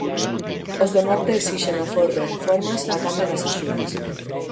Os do norte esixen aforro e reformas a cambio das axudas.